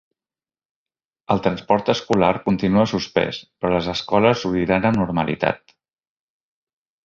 El transport escolar continua suspès però les escoles obriran amb normalitat.